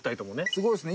すごいですね。